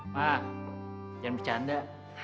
ma jangan bercanda